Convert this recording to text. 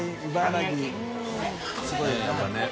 すごいね。